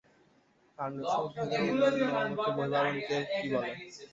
কাণ্ডসহ উদ্ভিদের অন্যান্য অঙ্গের বহিরাবরণকে কী বলে?